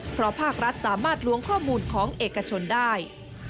เพราะภาครัฐสามารถล้วงข้อมูลของเอกชนได้